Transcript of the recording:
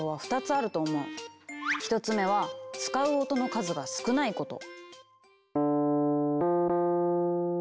１つ目は使う音の数が少ないこと！